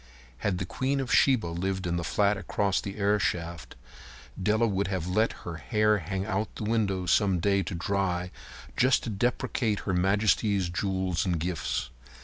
Had the queen of Sheba lived in the flat across the airshaft, Della would have let her hair hang out the window some day to dry just to depreciate Her Majesty's jewels and gifts.